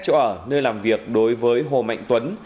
chỗ ở nơi làm việc đối với hồ mạnh tuấn